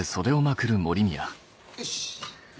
よし！